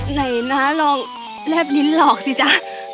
ไหนนะลองแลบลิ้นหลอกสิจ๊ะ